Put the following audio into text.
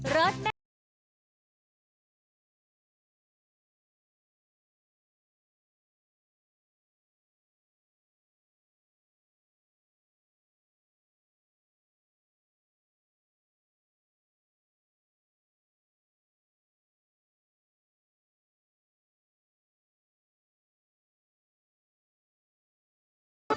เลิศแม่